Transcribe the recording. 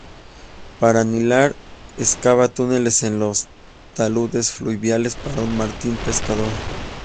Para anidar, excava túneles en los taludes fluviales como un martín pescador.